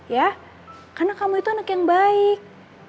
ya karena kamu itu anak yang baik